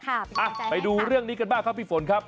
ไปดูเรื่องนี้กันบ้างครับพี่ฝนครับ